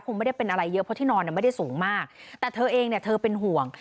ไม่ได้เป็นอะไรเยอะเพราะที่นอนเนี่ยไม่ได้สูงมากแต่เธอเองเนี่ยเธอเป็นห่วง